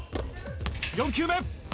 ４球目。